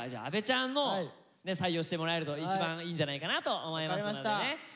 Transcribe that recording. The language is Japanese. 阿部ちゃんのを採用してもらえると一番いいんじゃないかなと思いますのでね